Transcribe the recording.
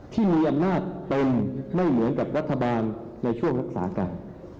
ที่มีอำนาจเต็มไม่เหมือนกับรัฐบาลในช่วงรักษาการ